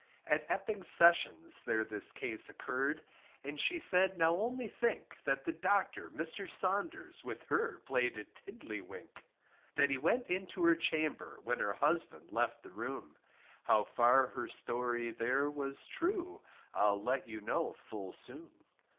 At Epping Sessions, there this case occurred. And she said, now only think, That the docter, Mr. Saunders, With her played at tiddly wink; That he went into her chamber, When her husband left the room, How far her story there was true, I'll let you know full soon.